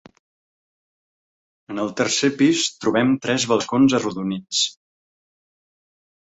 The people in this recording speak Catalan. En el tercer pis trobem tres balcons arrodonits.